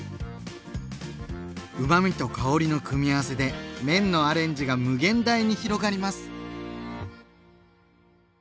うまみと香りの組み合わせで麺のアレンジが無限大に広がります！